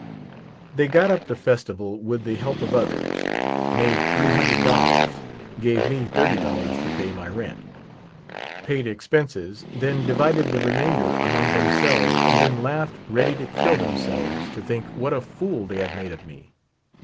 They got up the festival with the help of others ; made $300 ; gave me $30 to pay my rent ; paid expenses, then divided the remainder among themselves, and then laughed ready to kill themselves to think what a fool they had made of me.